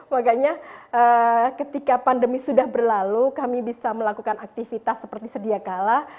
makanya ketika pandemi sudah berlalu kami bisa melakukan aktivitas seperti sedia kala